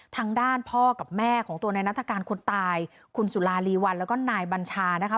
ทางด้านพ่อกับแม่ของตัวในนัฐกาลคนตายคุณสุราลีวันแล้วก็นายบัญชานะคะ